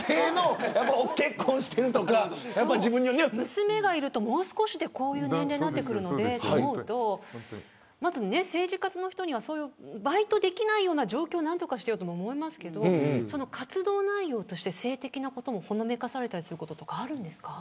娘がいると、もう少しでこういう年齢になってくるのでと思うと、政治家の人にはバイトできない状況を何とかしてよ、と思いますがその活動内容として性的なことをほのめかされたりすることはあるんですか。